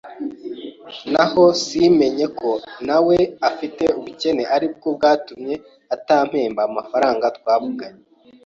naho simnye ko nawe afite ubukene aribwo butumye atampemba amafaranga twavuganye.